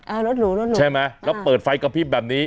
รถหรูรถหรูใช่ไหมแล้วเปิดไฟกระพริบแบบนี้